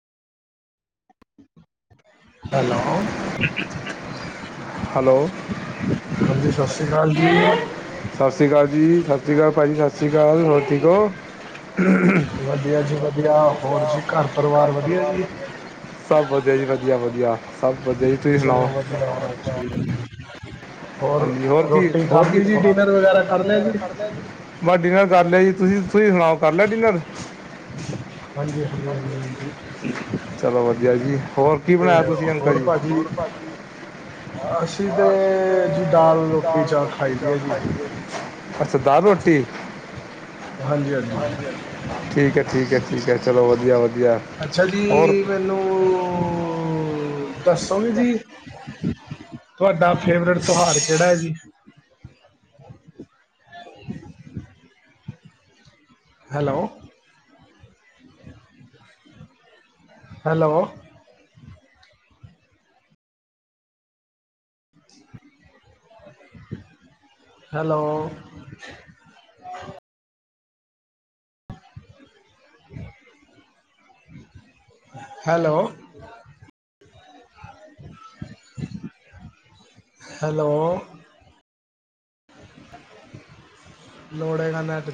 Hello. Hello. ਹਾਂਜੀ ਸਤਿ ਸ਼੍ਰੀ ਅਕਾਲ ਜੀ [inaudible] ਸਾਸ਼੍ਰੀ ਕਾਲ ਜੀ, ਸਾਸ਼੍ਰੀ ਕਾਲ ਭਾਜੀ ਸਾਸ਼੍ਰੀ ਕਾਲ, ਹੋਰ ਠੀਕ ਓ? ਵਦੀਆ ਜੀ ਵਦੀਆ, ਹੋਰ ਜੀ ਘਰ ਪਰਿਵਾਰ ਵਦੀਆ ਜੀ? ਸਬ ਵਦੀਆ ਜੀ ਵਦੀਆ, ਵਦੀਆ ਸਬ ਵਦੀਆ ਜੀ, ਤੂਸੀ ਸੁਨਾਓ? [unintelligible] ਹੋਰ ਹਾਂਜੀ ਕੀ ਰੋਟੀ ਹੋਰ ਕੀ ਖਾਲੀ ਜੀ, ਡਿਨਰ ਵਗੈਰਾ ਕਰ ਲੇਆ ਜੀ? ਬਸ ਡਿਨਰ ਕਰ ਲੇਆ ਜੀ, ਤੂਸੀ, ਤੂਸੀ ਸੁਨਾਓ ਕਰ ਲੇਆ ਡਿਨਰ? ਹਾਂਜੀ, ਹਾਂਜੀ, ਹਾਂਜੀ, ਹਾਂਜੀ। ਚਲੋ ਵਧੀਆ ਜੀ ਹੋਰ ਕੀ ਤੇ ਬਣਾਇਆ ਤੁਸੀਂ ਅੰਕਲ ਹੋਰ ਜੀ ਪਾਜੀ, ਬਾਸ ਅਸੀ ਤੇ--ਜੀ ਦਾਲ ਰੋਟੀ ਜਾਦਾ ਖਾਈਦੀ ਏ ਜੀ। ਅੱਛਾ ਦਾਲ ਰੋਟੀ ਹਾਂਜੀ-ਹਾਂਜੀ। ਠੀਕ ਐ-ਠੀਕ ਐ-ਠੀਕ ਐ ਚਲੋ ਵਦੀਆ-ਵਦੀਆ, ਹੋਰ ਲੋਅ ਦੱਸੋ ਵੀ ਜੀ, ਤੁਆਡਾ ਫੇਵਰੇਟ ਤਿਓਹਾਰ ਕੇੜਾ ਐ ਜੀ। [inaudible] Hello, hello. Hello. [inaudible] Hello. Hello. ਲੋੜੇ ਨਾ ਮੈਂ ਤੇ